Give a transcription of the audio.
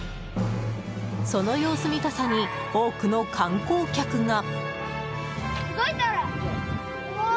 その様子見たさに多くの観光客が。